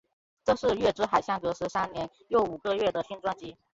这是月之海相隔十三年又五个月的新专辑。